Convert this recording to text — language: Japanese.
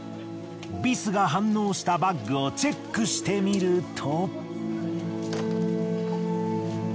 ビスが反応したバッグをチェックしてみると。